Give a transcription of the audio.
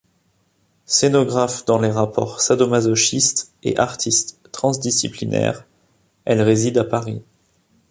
Scénographe dans les rapports sadomasochistes et artiste transdisciplinaire, elle réside à Paris.